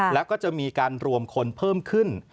แล้วก็จะมีการรวมคนเพิ่มขึ้น